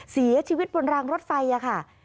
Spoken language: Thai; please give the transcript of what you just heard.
เสียชีวิตบนรางรถไฟค่ะ